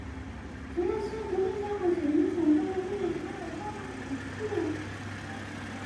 制宪国民大会是影响中国近现代史发展的重大历史事件。